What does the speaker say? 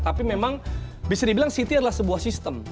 tapi memang bisa dibilang city adalah sebuah sistem